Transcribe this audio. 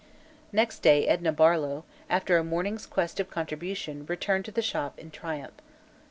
Next day Edna Barlow, after a morning's quest of contributions, returned to the Shop in triumph.